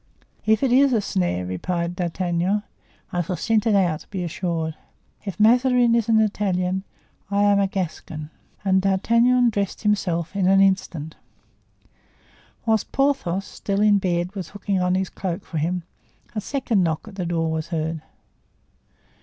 "If it is a snare," replied D'Artagnan, "I shall scent it out, be assured. If Mazarin is an Italian, I am a Gascon." And D'Artagnan dressed himself in an instant. Whilst Porthos, still in bed, was hooking on his cloak for him, a second knock at the door was heard.